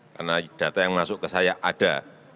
karena data yang masuk ke saya ada